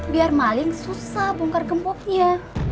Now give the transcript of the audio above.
biar maling susah bongkar gembuknya